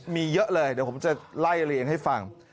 มีเยอะเลยเดี๋ยวผมจะไล่เรียงให้ฟัง